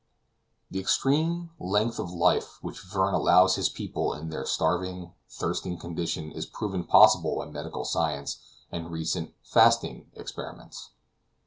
The extreme length of life which Verne allows his people in their starving, thirsting condition is proven possible by medical science and recent "fasting"' experiments.